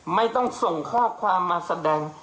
ไม่ต้องส่งข้อความมาแสดง